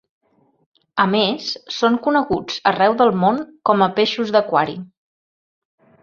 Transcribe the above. A més, són coneguts arreu del món com a peixos d'aquari.